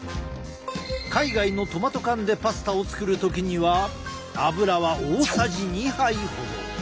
海外のトマト缶でパスタを作る時には油は大さじ２杯ほど。